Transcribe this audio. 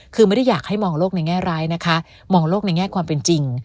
คือไม่ได้อยากให้มองโลกในแง่ร้ายนะคะมองโลกในแง่ความเป็นจริง